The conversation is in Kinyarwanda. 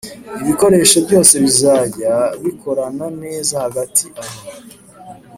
ibikoresho byose bizajya bikorana neza Hagati aho